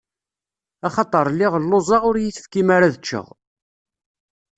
Axaṭer lliɣ lluẓeɣ, ur yi-tefkim ara ad ččeɣ.